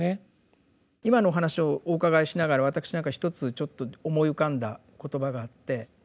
今のお話をお伺いしながら私一つちょっと思い浮かんだ言葉があって。